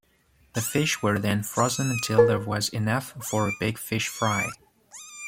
The fish were then frozen until there was enough for a big fish fry.